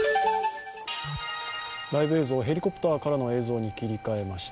ライブ映像、ヘリコプターからの映像に切り替えました。